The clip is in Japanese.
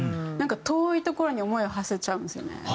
なんか遠い所に思いをはせちゃうんですよね